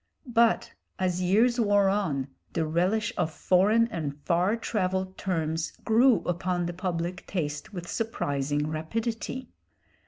But as years wore on the relish of foreign and far travelled terms grew upon the public taste with surprising rapidity.